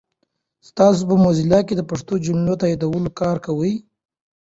تاسو په موزیلا کې د پښتو جملو د تایدولو کار کوئ؟